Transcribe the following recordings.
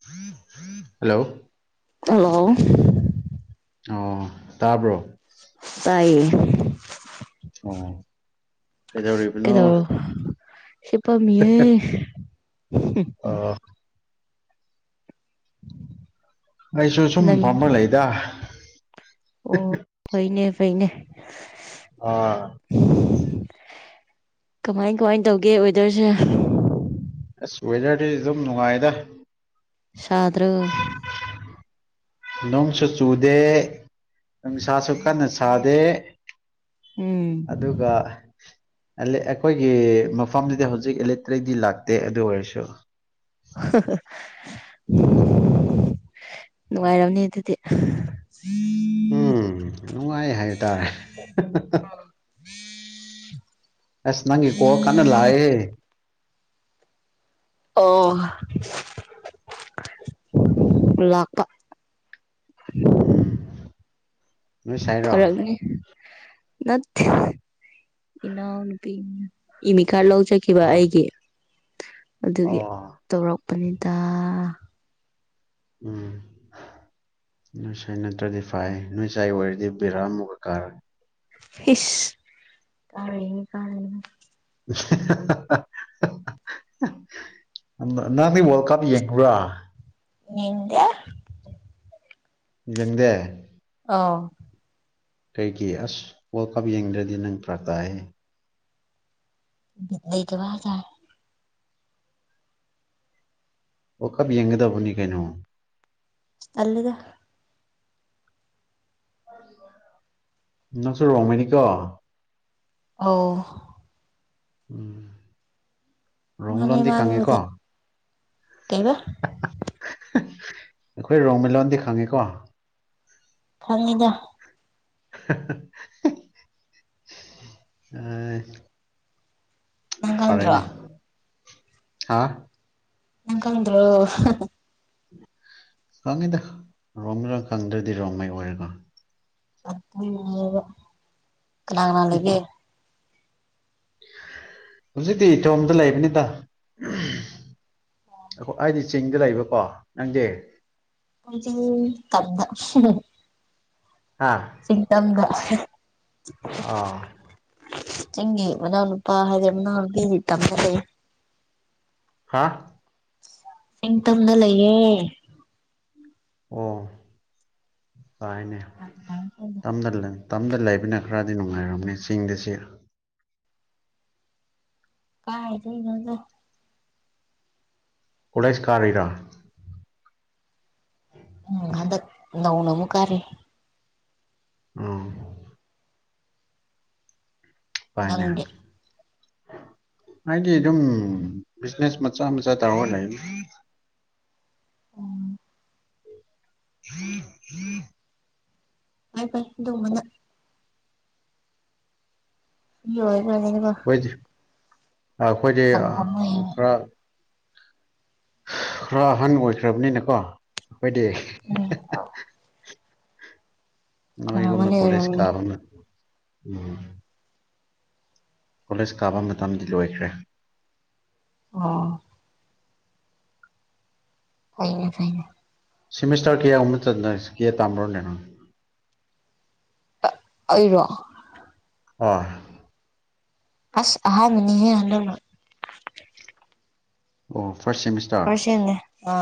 [unintelligible] hello hello ꯑꯣ ꯇꯥꯕ꯭ꯔꯣ ꯇꯥꯏꯌꯦ ꯑꯣ ꯀꯩꯗꯧꯔꯤꯕꯅꯣ ꯁꯤꯄꯥꯃꯤꯦ ꯑꯣ ꯑꯩꯁꯨ ꯁꯨꯝ ꯅꯪ ꯐꯃ ꯂꯩꯗ ꯑꯩꯅꯦ ꯑꯥ ꯀꯃꯥꯏ ꯀꯃꯥꯏ ꯇꯧꯒꯦ ꯋꯦꯗꯔꯁꯦ ꯑꯁ ꯋꯦꯗꯔꯗꯤ ꯑꯗꯨꯝ ꯅꯨꯡꯉꯥꯏꯗ ꯁꯗꯔꯣ ꯣꯡ ꯁꯆꯗꯦ ꯅꯨꯡꯁꯥꯁꯨ ꯀꯥꯟ ꯅ ꯁꯥꯗꯦ ꯎꯝ ꯑꯗꯨꯒ ꯑꯩꯈꯣꯏꯒꯤ ꯃꯐꯝꯗꯨꯗꯤ ꯍꯧꯖꯤꯛ ꯑꯦꯂꯦꯛꯇ꯭ꯔꯤꯛꯗꯤ ꯂꯥꯛꯇꯦ ꯑꯗꯨ ꯑꯣꯏꯔꯁꯨ ꯅꯨꯡꯉꯥꯏꯔꯝꯅꯤ ꯑꯗꯨꯗꯤ ꯎꯝ ꯅꯨꯡꯉꯥꯏ ꯍꯥꯏ ꯇꯥꯔꯦ ꯎꯝ ꯑꯁ ꯅꯪꯒꯦ ꯀꯣꯜ ꯀꯥꯟꯅ ꯂꯛꯑꯦꯍꯦ ꯑꯣ ꯂ ꯎꯝ ꯅꯣꯏ ꯁꯥꯏꯔꯣ ꯐꯔꯛꯅꯦꯅꯤ ꯑꯣ ꯅꯠꯇ ꯏꯩꯅꯟ ꯑ ꯏꯃꯤ ꯈꯥꯔ ꯂꯧꯖꯈꯤꯕ ꯑꯩꯒꯤ ꯑꯗꯨꯒꯤ ꯑꯣ ꯇꯧꯔꯛ ꯄꯅꯤꯗ ꯎꯝ ꯅꯣꯏꯁꯥꯏ ꯅꯠꯇ꯭ꯔꯗꯤ ꯐꯩ ꯅꯣꯏ ꯉꯁꯥꯏ ꯑꯣꯏꯔꯗꯤ ꯕꯤꯦꯔꯥꯃꯨꯛ ꯀꯥꯔꯦ ꯏ ꯀꯅꯤ ꯀ ꯅꯪ ꯃꯤ ꯋꯥꯔꯜꯗ ꯀꯥꯞ ꯌꯦꯡꯉ꯭ꯔꯥ ꯌꯦꯗꯌꯥ ꯌꯦꯪꯗꯦ ꯑꯥ ꯀꯩꯒꯤ ꯑꯁ ꯋꯥꯔꯜ ꯀꯞ ꯌꯦꯡꯗ꯭ꯔꯗꯤ ꯅꯪ ꯐ꯭ꯔ ꯇꯥꯍꯦ [unintelligible] ꯑꯣ ꯀꯥꯕꯤ ꯌꯦꯡꯒꯦꯗꯕꯅꯤ ꯀꯩꯅꯣ ꯑꯜꯗ ꯅ ꯁꯣ ꯔꯃꯅꯤ ꯀ ꯑꯣ ꯎꯝ ꯔꯣꯡ ꯃꯥꯅꯦ ꯂꯟꯗꯤ ꯈꯥꯉꯦ ꯃꯥꯅꯦꯕꯨꯗꯤ ꯀꯣ ꯀꯩꯕ ꯑꯩꯈꯣꯏ ꯔꯣꯃꯦꯂꯣꯟꯣꯟꯗꯤ ꯈꯪꯉꯤꯀꯣ ꯐꯪꯉꯗ ꯑ ꯅꯪ ꯈꯪꯗ꯭ꯔꯣ ꯄꯔꯥꯏꯅꯦ ꯍꯥꯥ ꯅ ꯀꯗ꯭ꯔꯣ ꯈꯪꯉꯤꯗ ꯔꯣꯝꯔ ꯈꯪꯗ꯭ꯔꯗꯤ ꯔꯣꯝꯉꯩ ꯑꯣꯏꯔꯦꯀꯣ ꯑꯄꯥ ꯂꯅꯥ ꯂꯩꯒꯦ ꯍꯧꯖꯤꯛꯇꯤꯇꯣꯝꯗ ꯂꯩꯕꯅꯤꯗ ꯑꯩ ꯑꯩꯗꯤ ꯆꯤꯡꯗ ꯂꯩꯕꯀꯣ ꯅꯪꯗꯤ ꯇꯝꯗ ꯍꯥ ꯁꯤꯇꯝꯗ ꯑꯥ ꯆꯪꯒ ꯃꯅ ꯑꯣ ꯄꯥ ꯍꯥꯏꯖ ꯃꯅ ꯇ ꯐꯔ ꯂꯩ ꯑ ꯌꯦ ꯇꯗ ꯂꯩꯌꯦꯦ ꯑꯣ ꯀꯥꯏꯅꯦ ꯇꯝꯗꯜꯂꯅꯤ ꯃꯇꯝꯗ ꯂꯩꯕꯅ ꯈꯔꯗꯤ ꯅꯨꯡꯉꯥꯏꯔꯝꯅꯤ ꯆꯤꯡꯗꯁ ꯀꯥꯏꯥꯏꯗ ꯏꯩꯅꯗ ꯀꯣꯂꯦꯖ ꯀꯥꯔꯤꯔꯥ ꯍꯟꯗꯛ ꯅꯧꯅ ꯑꯃꯨꯛ ꯀꯥꯔꯤ ꯑꯝ ꯄꯅ ꯅꯪꯗꯤ ꯍꯥꯏꯗꯤ ꯑꯗꯨꯝ ꯕꯤꯖꯤꯅꯦꯁ ꯃꯆꯥ ꯃꯆꯥ ꯇꯧꯔꯒ ꯂꯩ ꯎꯝ [unintelligible] ꯐꯏ ꯐꯥꯏ ꯗꯨꯝꯕꯅ ꯂꯣꯏꯔꯦ [unintelligible] ꯑꯩꯈꯣꯏꯗꯤ ꯑꯩꯈꯣꯏꯗꯤ ꯈꯔ ꯈꯔ ꯑꯍꯟ ꯑꯣꯏꯈ꯭ꯔꯕꯅꯤꯅꯀꯣ ꯎꯝ [unintelligible] ꯅꯣꯏꯒꯨꯝꯅ ꯑꯣꯏꯔꯝꯃꯅꯤ ꯀꯂꯦꯖ ꯑꯣꯏꯔꯝꯃꯅꯤ ꯀꯥꯕꯃ ꯎꯝ ꯀꯣꯂꯦꯖ ꯀꯥꯕ ꯃꯇꯝꯗꯤ ꯂꯣꯏꯈ꯭ꯔꯦ ꯑꯥ ꯐꯩꯅꯦ ꯐꯩꯅꯦ ꯁꯤꯃꯤꯁꯇꯔ ꯀꯌꯥꯒꯨꯝꯕ [unintelligible] ꯇꯥꯅꯔꯣꯅꯦ ꯑꯩꯔꯣ [unintelligible] ꯑꯁ ꯑꯍꯥꯟꯕꯥꯅꯤꯍꯦ ꯍꯟꯗꯛꯅ ꯑꯣ ꯐꯥꯔꯁ ꯁꯦꯃꯤꯁꯇꯔ ꯐꯔꯁꯦꯝꯅꯦ ꯑ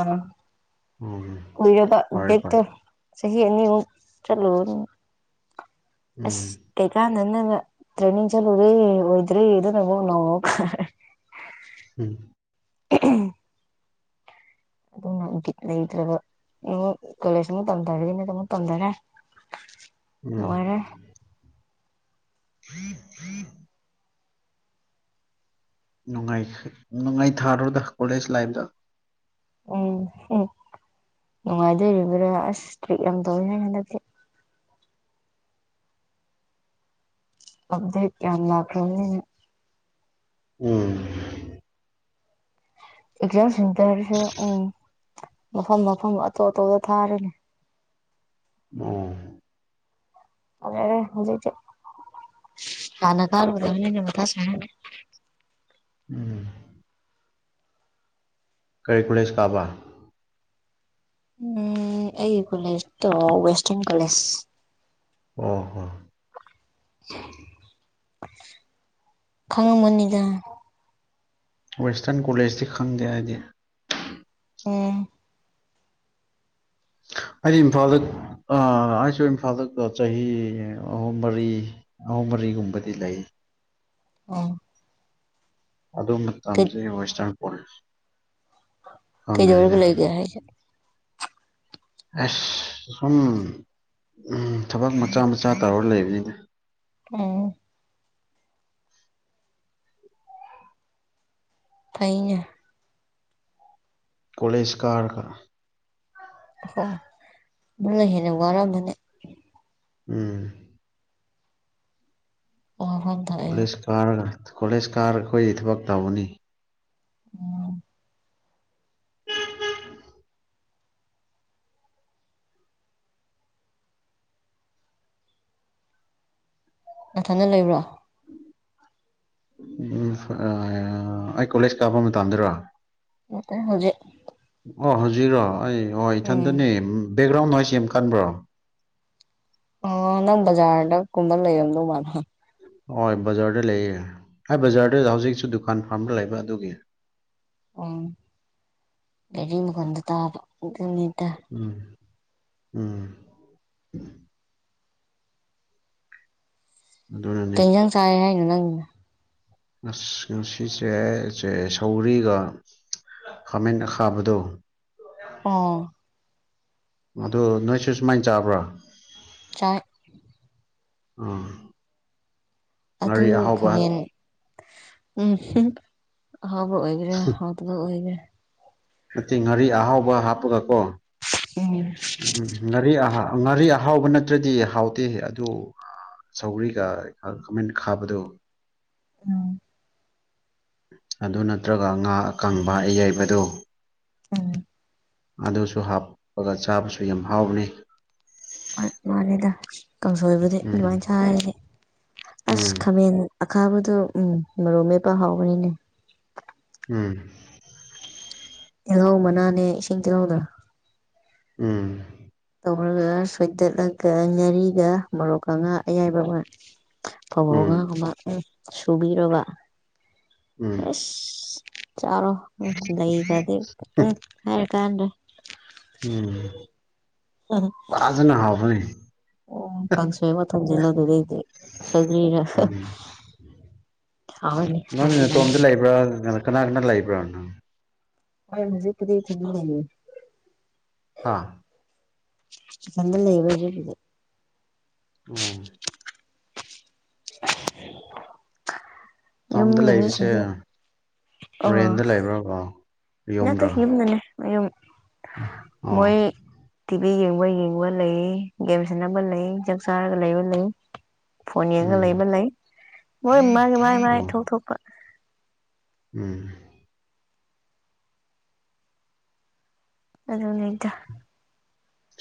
ꯎꯝ ꯀꯨꯏꯔꯕ ꯐꯔꯦ ꯕꯦꯠ ꯐꯔꯦ ꯇꯣ ꯆꯍꯤ ꯑꯅꯤꯔꯣꯝ ꯆꯠꯂꯨꯕꯅꯦ ꯑꯁ ꯎꯝ ꯀꯩꯀꯥꯟꯅꯅꯣ ꯇ꯭ꯔꯦꯅꯤꯡ ꯆꯠꯂꯨꯔꯦ ꯑꯣꯏꯗ꯭ꯔꯦ [unintelligible] ꯎꯝ [inaudible] ꯑꯗꯨꯅ ꯕꯤꯠ ꯂꯩꯇ꯭ꯔꯕ [unintelligible] ꯀꯣꯂꯦꯖ ꯑꯃꯨꯛ ꯇꯝꯊꯔꯤꯅ ꯑꯃꯨꯛ ꯇꯝꯊꯔꯦ ꯅꯨꯡꯉꯥꯏꯔꯦ ꯎꯝ [unintelligible] ꯅꯨꯡꯉꯥꯏ ꯅꯨꯡꯉꯥꯏ ꯊꯥꯔꯣꯗ ꯀꯣꯂꯦꯖ ꯂꯥꯏꯐꯗ ꯎꯝ ꯎꯝ ꯅꯨꯡꯉꯥꯏꯗꯣꯔꯤꯕ꯭ꯔꯥ ꯑꯁ ꯇ꯭ꯔꯤꯠ ꯌꯥꯝ ꯇꯧꯋꯦꯅꯦ ꯍꯟꯗꯛꯇꯤ ꯎꯞꯗꯦꯠ ꯌꯥꯝ ꯂꯥꯈꯔ꯭ꯃꯤꯅꯥ ꯎꯝ [unintelligible] ꯇꯁꯨ ꯎꯝ ꯃꯐꯝ ꯃꯐꯝ ꯑꯇꯣꯞ ꯑꯇꯣꯞꯗ ꯊꯥꯔꯤꯅꯦ ꯑꯝ ꯑ ꯍꯧꯖꯤ ꯀꯅ ꯀꯥꯔ ꯑꯣꯏꯊ ꯁ ꯎꯝ ꯀꯩ ꯀꯨꯂꯦꯁ ꯀꯥꯕꯥ ꯑꯩ ꯀꯣꯂꯦꯖ ꯇꯣ ꯋꯦꯁꯇꯔꯟ ꯀꯣꯂꯦꯖ ꯑ ꯍ ꯈꯪꯉꯃꯅꯤꯗ ꯋꯦꯁꯇꯔꯟ ꯀꯣꯂꯦꯖꯇꯤ ꯈꯪꯗꯦ ꯍꯥꯏꯗꯤ ꯑꯣꯝ ꯑꯩꯗꯤ ꯏꯝꯐꯥꯜꯗ ꯑꯩꯁꯨ ꯏꯝꯐꯥꯜꯗ ꯆꯍꯤ ꯑꯍꯨꯝ ꯃꯔꯤ ꯑꯍꯨꯝ ꯃꯔꯤꯒꯨꯝꯕꯗꯤ ꯂꯩ ꯑꯥ ꯑꯗꯨ ꯃꯇꯝꯗꯤ ꯋꯦꯁꯇꯔꯟ ꯄꯨꯁ ꯀꯩꯗꯔꯒ ꯂꯩꯒ ꯍꯥꯏ ꯑꯁ ꯁꯨꯝ ꯊꯕꯛ ꯃꯆꯥ ꯃꯆꯥ ꯇꯧꯔ ꯂꯩꯕꯅꯤꯅꯦ ꯎꯝ ꯐꯩꯅꯦ ꯀꯣꯂꯦꯖꯀꯥꯔꯒ ꯑꯣ ꯃꯂ ꯍꯦꯅ ꯋꯥꯔꯃꯅꯤ ꯎꯝ ꯋꯥꯐꯝ ꯊꯣꯛꯑꯦ ꯄꯨꯂꯤꯁ ꯀꯥꯔꯒ ꯀꯣꯂꯦꯖ ꯀꯥꯔ ꯑꯩꯈꯣꯏ ꯊꯕꯛ ꯇꯧꯕꯅꯤ ꯎꯝ ꯅꯊꯅ ꯂꯩꯕ꯭ꯔꯣ ꯎꯝ ꯑꯩ ꯀꯣꯂꯦꯖ ꯀꯥꯕ ꯃꯇꯝꯗꯔꯣ ꯅꯠꯇ ꯍꯧꯖꯤꯛ ꯑꯣ ꯍꯧꯖꯤꯔꯣ ꯑꯩ ꯑꯣ ꯎꯝ ꯏꯊꯟꯗꯅꯦꯝ ꯕꯦꯛꯒ꯭ꯔꯥꯎꯟ ꯅꯣꯏꯁ ꯌꯥꯝ ꯀꯟꯕ꯭ꯔꯣ ꯑ ꯅꯪ ꯖꯥꯗ ꯀꯨꯝꯕꯜ ꯂꯩ ꯑꯗꯨ ꯃꯥꯅ ꯍꯣꯏ ꯕꯖꯥꯔꯗ ꯂꯩꯌꯦ ꯍꯥꯏ ꯕꯖꯥꯔꯗ ꯍꯧꯖꯤꯛꯁꯨ ꯗꯨꯀꯥꯟ ꯐꯥꯔꯝꯗ ꯂꯩꯕ ꯑꯗꯨꯒꯤ ꯑꯣꯝ ꯗꯀꯗ ꯇ ꯎꯝ ꯎꯝ ꯑꯗꯨꯅꯅꯦ ꯀꯩꯖꯥꯡ ꯆꯥꯔꯦ ꯍꯥꯏ ꯅꯪ ꯎ ꯑꯁ ꯉ ꯁꯤꯁꯦ ꯁꯦ ꯁꯧꯔꯤꯒ ꯈꯥꯃꯦꯟ ꯈꯥꯕꯗꯣ ꯑꯥ ꯑꯗꯨ ꯅꯣꯏꯁꯨ ꯁꯨꯃꯥꯏꯅ ꯆꯥꯕ꯭ꯔꯥ ꯆꯥꯛ ꯑꯣ ꯑꯗꯨ ꯈꯅꯦ ꯎꯝ ꯑꯍꯥꯎꯕ ꯑꯣꯏꯈꯔꯦ ꯍꯥꯎꯗꯨꯕ ꯑꯣꯏꯈꯔꯦ ꯀ ꯍꯥꯄꯗꯣ ꯎꯝ ꯎꯝ ꯉꯔꯤ ꯑꯍꯥ ꯉꯥꯔꯤ ꯑꯍꯥꯎꯕ ꯅꯠꯇ꯭ꯔꯗꯤ ꯍꯥꯎꯇꯦ ꯑꯗꯨ ꯁꯧꯒ꯭ꯔꯤꯒ ꯀꯃꯥꯏꯅ ꯈꯥꯕꯗꯨꯣ ꯑꯝ ꯑꯗꯨ ꯅꯠꯇ꯭ꯔꯒ ꯉꯥ ꯑꯀꯪꯕ ꯑꯌꯥꯏꯕꯗꯨ ꯎꯝ ꯑꯗꯨꯁꯨ ꯍꯥꯞꯄꯒ ꯆꯥꯕꯁꯨ ꯌꯥꯝ ꯍꯥꯎꯕꯅꯤ ꯃꯥꯅꯦꯗ ꯀꯥꯡꯁꯣꯏꯕꯨꯗꯤ ꯎꯝ ꯑꯗꯨꯃꯥꯏꯅ ꯆꯥꯔꯗꯤ ꯑꯁ ꯎꯝ ꯈꯥꯃꯦꯟ ꯑ ꯈꯥꯕꯗꯣ ꯎꯝ ꯃꯔꯨꯝ ꯃꯦꯄ ꯍꯥꯎꯕꯅꯤꯅꯦ ꯎꯝ ꯇꯤꯜꯍꯥꯎ ꯃꯅꯥꯅꯦ ꯏꯁꯤꯡ ꯇꯤꯜꯍꯥꯎꯗ ꯎꯝ ꯀꯧꯔꯒ ꯁꯣꯏꯗꯠꯂꯒ ꯉꯥꯔꯤꯒ ꯃꯣꯔꯣꯛꯀꯉꯥ ꯑꯌꯥꯏꯕ ꯑꯃ ꯎꯝ ꯑꯉꯃ ꯁꯨꯕꯤꯔꯣꯔꯕ ꯎꯝ ꯆꯥꯔꯣ ꯂꯩꯈ꯭ꯔꯗꯤ ꯎꯝ ꯍꯥꯏꯔ ꯇꯦ ꯎꯝ ꯋꯥꯖꯅ ꯍꯅꯤ ꯑꯣ ꯀꯪꯁꯋ ꯃ ꯊꯪꯖꯂ ꯑꯗꯨ ꯁꯒꯂꯤꯅ ꯅꯪ ꯅꯇꯣꯝꯇ ꯂꯩꯕ꯭ꯔꯥ ꯀꯅꯥ ꯀꯅꯥ ꯂꯥꯏꯕ꯭ꯔꯣ ꯍ ꯍꯧꯖꯤꯛ ꯀꯗꯤ ꯊ ꯍꯥꯏꯦ ꯍꯥꯥ ꯐꯟꯅ ꯂꯩꯕꯗꯤ ꯑꯣ [unintelligible] ꯇꯝꯗ ꯌꯨꯝꯒꯤ ꯂꯩꯕꯁꯦ ꯃꯤꯁꯤꯡꯁꯦ ꯔꯦꯟꯗ ꯂꯩꯕ꯭ꯔꯕꯣ ꯉ ꯇꯁ ꯃꯤ ꯅꯅꯦ ꯑꯨꯝ ꯑ ꯇꯤꯚꯤ ꯌꯦꯡꯕ ꯌꯦꯡꯕ ꯂꯩ ꯒꯦꯝ ꯁꯦꯅꯕ ꯂꯩꯟ ꯆꯥꯛ ꯆꯥꯔꯒ ꯂꯩꯕ ꯂꯩ ꯐꯣꯟ ꯌꯦꯛꯒ ꯎꯝ ꯂꯩꯕ ꯂꯩ ꯃꯣꯏ ꯃꯥꯥꯏꯒꯤ ꯃꯥꯏ ꯃꯥꯏ ꯑꯣ ꯊꯣꯛ ꯊꯣꯛꯄ ꯎꯝ ꯑꯗꯨꯅꯤꯗ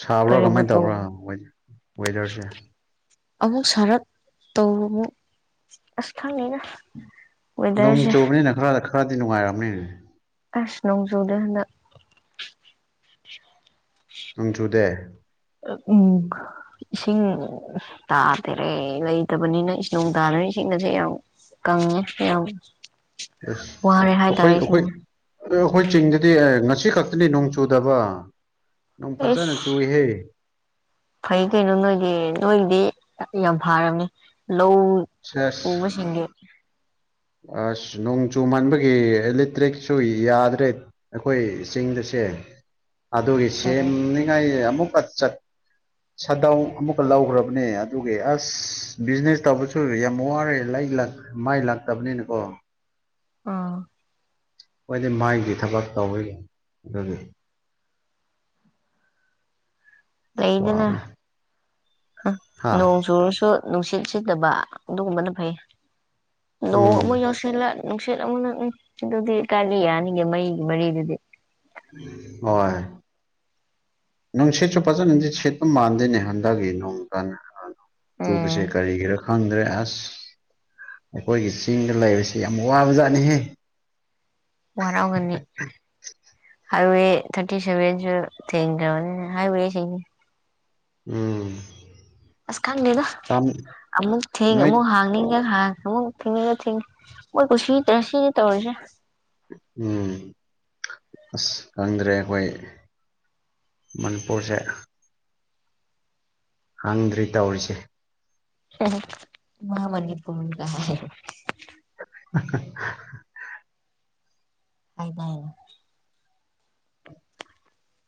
ꯁꯥꯕ꯭ꯔꯥ ꯀꯔꯤꯕꯨ ꯀꯃꯥꯏꯅ ꯇꯧꯕ꯭ꯔꯥ ꯇꯧꯕ ꯋꯦꯗꯔꯁꯦ ꯑꯃꯨꯛ ꯁꯥꯔꯠ ꯇꯧ ꯑꯃꯨꯛ ꯑꯁ ꯈꯪꯉꯦꯅ ꯅꯣꯡ ꯆꯨꯕꯅꯤꯅ ꯈꯔꯗ ꯈꯔꯗꯤ ꯅꯨꯡꯉꯥꯏꯔꯝꯅꯤꯅꯦ ꯀꯥꯁꯤ ꯅꯣꯡꯖꯧꯗꯦ ꯍꯅ ꯅꯣꯡꯖꯨꯗꯦ ꯎꯝ ꯏꯁꯤꯡ ꯇꯥꯗꯦꯔꯦ ꯂꯩꯇꯕꯅꯤꯅ ꯏ ꯅꯣꯡ ꯇꯥꯗꯅ ꯏꯁꯤꯡ ꯑꯁꯦ ꯌꯥꯝ ꯀꯪꯉꯦ ꯌꯥꯝ ꯑꯁ ꯋꯥꯔꯦ ꯑꯩꯈꯣꯏ ꯍꯥꯏꯇꯥꯔꯦ ꯑꯩꯈꯣꯏ ꯏꯁꯤꯡꯅ ꯑꯩꯈꯣꯏ ꯆꯤꯡꯗꯗꯤ ꯉ ꯑꯁꯤ ꯈꯛꯇꯅꯤ ꯅꯣꯡ ꯆꯨꯗꯕ ꯅꯣꯡ ꯐꯖꯅ ꯑꯦꯁ ꯆꯨꯏꯍꯦ ꯐꯩ ꯀꯩꯅꯣ ꯅꯣꯏꯒꯤ ꯅꯣꯏꯗꯤ ꯌꯥ ꯂꯧ ꯎꯃ ꯁꯦꯁ ꯁꯤꯒꯦ ꯑꯁ ꯅꯣꯡ ꯆꯨ ꯃꯥꯟꯕꯒꯤ ꯏꯂꯦꯛꯇ꯭ꯔꯤꯛꯁꯨ ꯌꯥꯗ꯭ꯔꯦ ꯑꯩꯈꯣꯏ ꯆꯤꯡꯗꯁꯦ ꯑꯗꯨꯒꯤ ꯎꯝ ꯁꯦꯝꯅꯤꯡꯉꯥꯏ ꯑꯃꯨꯛ ꯆꯠ ꯁꯥꯗꯥꯎ ꯑꯃꯨꯛꯀ ꯂꯧꯈ꯭ꯔꯕꯅꯦ ꯑꯗꯨꯒꯤ ꯑꯁ ꯕꯤꯖꯤꯅꯦꯁ ꯇꯧꯕꯁꯨ ꯌꯥꯝ ꯋꯥꯔꯦ ꯂ ꯂꯛ ꯃꯥꯏ ꯂꯛ ꯇꯕꯅꯤꯅꯀꯣ ꯑꯥ ꯑꯣꯏꯗꯤ ꯃꯥꯏꯗꯤ ꯊꯕꯛ ꯇꯧꯋꯤ ꯑꯗꯨꯒꯤ ꯋꯥꯕꯅꯤ ꯍꯥ ꯅꯣꯡꯖꯨꯔꯁꯨ ꯅꯨꯡꯁꯤꯠ ꯁꯤꯠꯇꯕ ꯑꯗꯨꯒꯨꯝꯕꯅ ꯐꯩ ꯎꯝ ꯅꯣꯡꯃꯣꯏ ꯌꯧꯁꯂ ꯅꯨꯡꯁꯤꯠ ꯑꯃꯅꯅꯨꯡ ꯁꯤ ꯑꯗꯨꯗꯤ ꯀꯜꯂꯤ ꯌꯥꯅꯤꯒꯤ ꯃꯩꯒꯤ ꯃꯔꯤꯗꯨꯗꯤ ꯍꯣꯢ ꯅꯨꯡ ꯁꯤꯠꯁꯨ ꯐꯖꯅꯗꯤ ꯁꯤꯠꯄ ꯃꯥꯟꯗꯣꯏꯅꯦ ꯍꯟꯗꯛꯀꯤ ꯅꯨꯡ ꯁꯨ ꯄꯁꯦ ꯎꯝ ꯀꯔꯤꯒꯤꯔ ꯈꯪꯗ꯭ꯔꯦ ꯑꯁ ꯑꯩꯈꯣꯏꯒꯤ ꯆꯤꯡꯗ ꯂꯩꯕꯁꯤ ꯌꯥꯝ ꯋꯥꯕ ꯖꯥꯠꯅꯤꯍꯦ ꯋꯥꯔꯥꯎꯒꯅꯤ ꯍꯥꯏꯋꯦ ꯊꯥꯔꯇꯤ ꯁꯦꯚꯦꯟꯁꯨ ꯊꯦꯡꯈ꯭ꯔꯕꯅꯦ ꯍꯥꯏꯋꯦ ꯎꯝ ꯑꯁ ꯈꯪꯅꯤꯗ ꯇꯝ ꯑꯃꯨꯛ ꯊꯦꯡ ꯅꯣꯏ ꯑꯃꯨꯛ ꯍꯥꯡꯅꯤ ꯍꯥꯡ ꯑꯃꯛ ꯊꯤꯉꯒ ꯊꯤꯡ ꯁꯤ ꯇ ꯁꯤ ꯅ ꯇꯔꯁ ꯎꯝ ꯑꯁ ꯈꯪꯗ꯭ꯔꯦ ꯑꯩꯈꯣꯏ ꯃꯅꯤꯄꯨꯔꯁꯦ ꯍꯡꯗ꯭ꯔꯤ ꯇꯧꯔꯤꯁꯦ ꯃꯥ ꯃꯅꯤꯄꯨꯔ ꯀ [inaudible] ꯍꯥꯏꯗꯥꯏ ꯅꯦ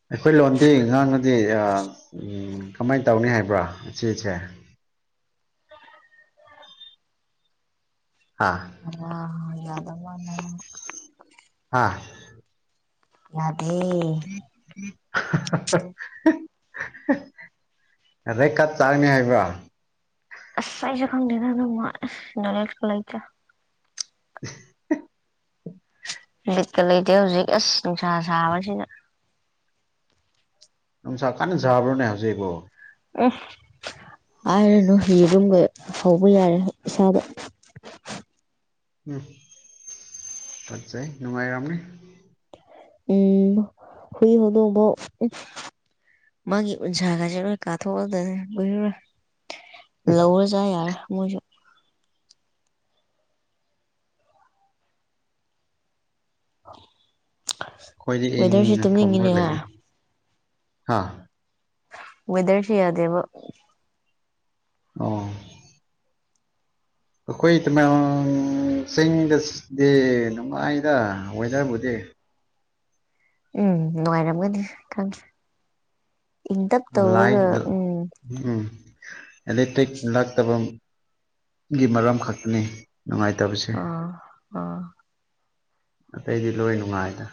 ꯑꯩꯈꯣꯏ ꯂꯣꯟꯗꯤ ꯉꯥꯡꯅꯗꯤ ꯎꯝ ꯀꯃꯥꯏꯅ ꯇꯧꯅꯤ ꯕꯔꯥ ꯏꯆꯦꯆꯦ ꯍꯥ ꯑ ꯌꯥꯔ ꯃꯃꯅ ꯍꯥꯥ ꯌꯥ ꯍ ꯑꯗꯩ ꯀꯞ ꯆꯥꯅꯤ ꯍꯥꯏꯕ ꯑꯥꯏꯁꯨ ꯈꯡꯗꯦꯗ ꯑꯗꯨꯝ ꯌꯥ ꯅꯣꯂꯦꯀꯥ ꯂꯩꯠ [inaudible] ꯕꯤꯠꯀꯥ ꯂꯩꯇꯦ ꯍꯧꯖꯤꯛ ꯑꯁ ꯅꯨꯡꯁꯥ ꯁꯥꯕꯁꯤꯅ ꯅꯨꯡꯁꯥ ꯀꯥꯟꯅ ꯁꯥꯕ꯭ꯔꯣꯅꯦ ꯍꯧꯖꯤꯛꯕꯣ ꯑ ꯍꯥꯏꯔꯅꯨ ꯐꯤꯒꯨꯝꯕ ꯐꯧꯕ ꯌꯥꯔꯦ ꯏꯁꯥꯗ ꯎꯝ ꯐꯠꯖꯦ ꯅꯨꯡꯉꯥꯏꯔꯝꯅꯤ ꯎꯝ ꯍꯨꯏ ꯍꯨꯗꯐꯧ ꯃꯥꯒꯤ ꯎꯟꯁꯥꯒꯁꯦ ꯂꯣꯏ ꯀꯥꯊꯣꯛꯑꯗꯅꯏꯔ ꯂꯧꯔ ꯆꯥꯌꯔꯦ ꯃꯣꯏꯁꯨ ꯑ [unintelligible] ꯑꯩꯈꯣꯏꯗꯤ ꯏꯅ ꯐꯝꯅꯕ ꯍꯥ ꯂꯩꯅ ꯍꯥꯥ ꯃꯗꯜꯁꯤꯌꯥꯗꯦꯕ ꯑꯣ ꯑꯩꯈꯣꯏ ꯇꯨꯃꯣꯅ ꯆꯤꯡꯗꯗꯤ ꯅꯨꯡꯉꯥꯏꯔ ꯋꯦꯗꯔꯕꯨꯗꯤ ꯎꯝ ꯅꯨꯡꯉꯥꯏꯔꯝꯒꯗꯤ ꯈꯡꯡꯤ ꯏꯡ ꯇꯛ ꯂꯥꯏ ꯇꯧꯔꯒꯥ ꯎꯝ ꯏꯂꯦꯛꯇ꯭ꯔꯤꯛ ꯅꯇꯥꯕꯥꯝ ꯒꯤ ꯃꯔꯝ ꯈꯛꯇꯅꯤ ꯅꯨꯡꯉꯥꯏꯇꯕꯁꯦ ꯑꯥ ꯑꯥ ꯑꯇꯩꯗꯤ ꯂꯣꯏ ꯅꯨꯡꯉꯥꯏꯗ